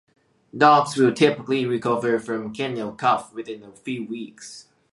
Dogs will typically recover from kennel cough within a few weeks.